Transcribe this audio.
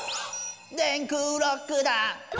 「電空ロックだ」